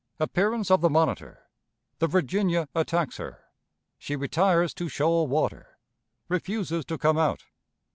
Appearance of the Monitor. The Virginia attacks her. She retires to Shoal Water. Refuses to come out.